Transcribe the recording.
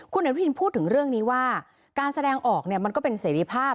คุณอนุทินพูดถึงเรื่องนี้ว่าการแสดงออกเนี่ยมันก็เป็นเสรีภาพ